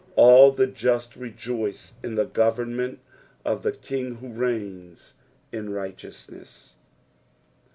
All the Just rejoice in the government of the King who reigna !□ righteousDess.